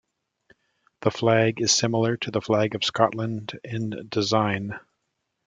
The flag is similar to the Flag of Scotland in design.